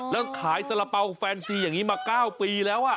แล้วขายสาระเป๋าแฟนซีอย่างนี้มา๙ปีแล้ว